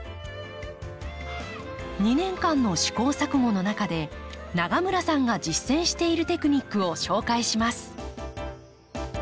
２年間の試行錯誤の中で永村さんが実践しているテクニックを紹介します。